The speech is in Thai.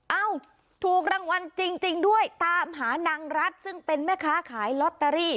เอ้าถูกรางวัลจริงด้วยตามหานางรัฐซึ่งเป็นแม่ค้าขายลอตเตอรี่